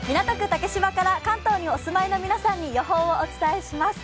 竹芝からかんとうにお住まいの皆さんに予報をお伝えします。